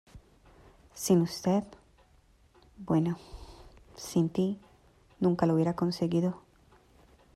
sin usted... bueno, sin ti nunca lo hubiera conseguido .